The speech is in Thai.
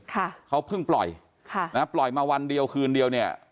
ค่ะเขาเพิ่งปล่อยค่ะนะปล่อยมาวันเดียวคืนเดียวเนี่ย